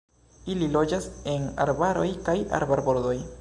Ili loĝas en arbaroj kaj arbarbordoj.